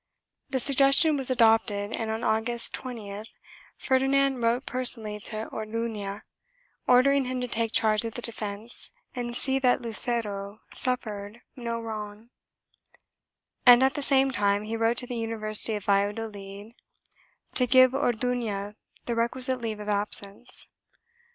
The suggestion was adopted and, on August 20th, Ferdinand wrote personally to Orduna ordering him to take charge of the defence and see that Lucero suffered no wrong, and at, the same time, he wrote to the Uni versity of Valladolid to give Orduna the requisite leave of absence.